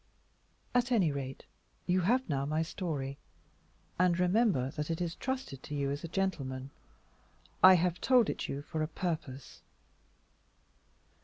"At any rate, you have now my story, and remember that it is trusted to you as a gentleman. I have told it you for a purpose."